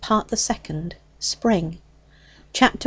PART THE SECOND SPRING CHAPTER I.